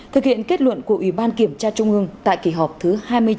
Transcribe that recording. thực hiện kết luận của ủy ban kiểm tra trung ương tại kỳ họp thứ hai mươi chín